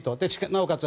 なおかつ